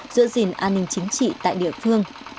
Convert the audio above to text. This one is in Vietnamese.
giữ gìn an ninh chính trị tại địa phương